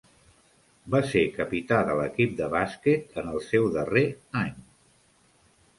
Va ser capità de l'equip de bàsquet en el seu darrer any.